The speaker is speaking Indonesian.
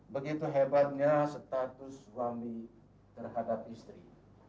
begitu hebatnya status suami terhadap istri